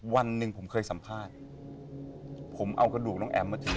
วันหนึ่งผมเคยสัมภาษณ์ผมเอากระดูกน้องแอ๋มมาทิ้ง